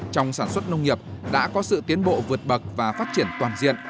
trong sản xuất nông nghiệp đã có sự tiến bộ vượt bậc và phát triển toàn diện